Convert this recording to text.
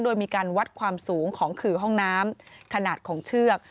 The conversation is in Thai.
โดยมีการวัดความสูงของขื่อห้องน้ำขนาดของเชือก